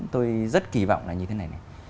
tôi rất kỳ vọng là như thế này